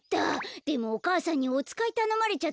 でもお母さんにおつかいたのまれちゃったんだよね。